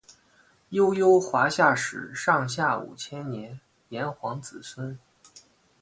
悠悠华夏史上下五千年炎黄子孙